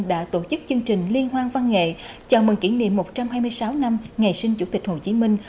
đã tổ chức chương trình liên hoan văn nghệ chào mừng kỷ niệm một trăm hai mươi sáu năm ngày sinh chủ tịch hồ chí minh